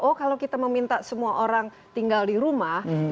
oh kalau kita meminta semua orang tinggal di rumah ya berarti ya